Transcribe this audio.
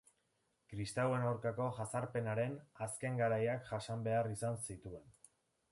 Kristauen aurkako jazarpenaren azken garaiak jasan behar izan zituen.